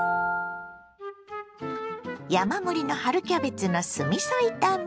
山盛りの春キャベツの酢みそ炒め。